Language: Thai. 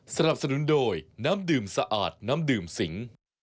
สนับสนุนโดยน้ำดื่มสะอาดน้ำดื่มสิง